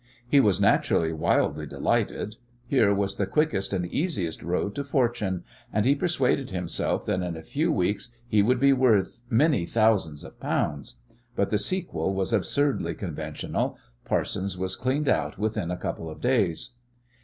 He was naturally wildly delighted. Here was the quickest and easiest road to fortune, and he persuaded himself that in a few weeks he would be worth many thousands of pounds. But the sequel was absurdly conventional. Parson was cleaned out within a couple of days.